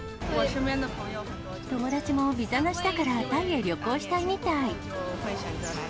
友達も、ビザなしだから、タイへ旅行したいみたい。